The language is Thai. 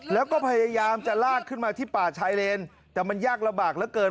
แล้วก็พยายามจะลากขึ้นมาที่ป่าชายเลนแต่มันยากระบากเหลือเกิน